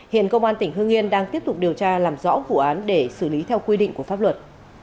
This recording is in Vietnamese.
hiện công an tỉnh hương yên đang tiếp tục điều tra làm rõ vụ án để xử lý theo quy định của pháp luật